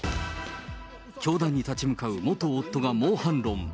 教団に立ち向かう元夫が猛反論。